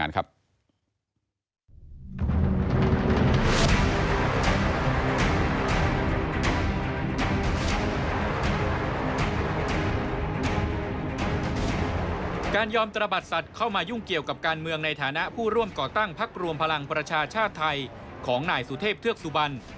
การยอมตระบัดสัตว์เข้ามายุ่งเกี่ยวกับการเมืองในฐานะผู้ร่วมก่อตั้งพักรวมพลังประชาชาติไทยของนายสุเทพเทือกสุบัน